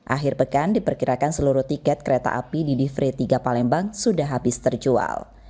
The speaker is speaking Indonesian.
akhir pekan diperkirakan seluruh tiket kereta api di divre tiga palembang sudah habis terjual